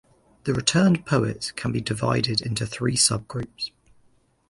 The Returned Poets can be divided into three subgroups.